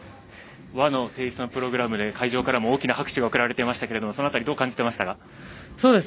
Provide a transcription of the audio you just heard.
和のテイストのプログラムで会場からも大きな拍手が送られていましたけどその辺りどう感じていましたか？